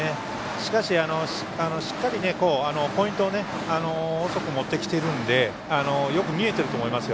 しかし、しっかりポイントを遅く持ってきているのでよく見えてると思いますよ。